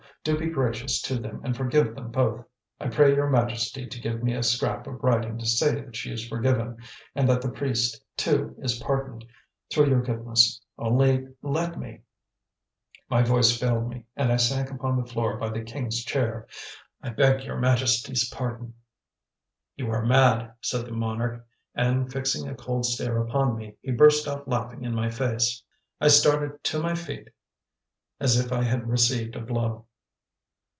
do be gracious to them and forgive them both! I pray your Majesty to give me a scrap of writing to say that she is forgiven, and that the priest, too, is pardoned, through your goodness; only let me " My voice failed me, and I sank upon the floor by the king's chair. "I beg your Majesty's pardon " "You are mad," said the monarch; and, fixing a cold stare upon me, he burst out laughing in my face. I started to my feet as if I had received a blow.